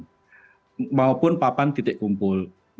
maka kita harus menggunakan papan yang menunjukkan jalur jalur evakuasi di stadion